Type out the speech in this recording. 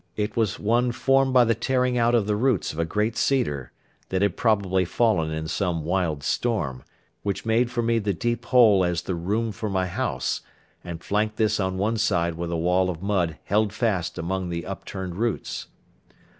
It was one formed by the tearing out of the roots of a great cedar, that had probably fallen in some wild storm, which made for me the deep hole as the room for my house and flanked this on one side with a wall of mud held fast among the upturned roots.